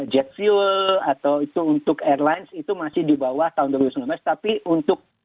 jet fuel atau itu untuk airlines itu masih di bawah tahun dua ribu sembilan belas tapi untuk